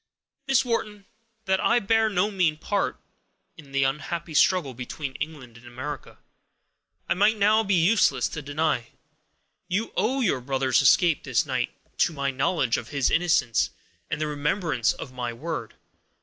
"Miss Wharton, that I bear no mean part, in the unhappy struggle between England and America, it might now be useless to deny. You owe your brother's escape, this night, to my knowledge of his innocence, and the remembrance of my word.